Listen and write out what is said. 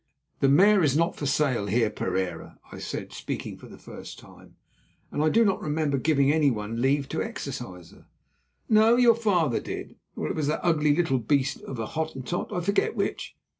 "The mare is not for sale, Heer Pereira," I said, speaking for the first time, "and I do not remember giving anyone leave to exercise her." "No, your father did, or was it that ugly little beast of a Hottentot? I forget which.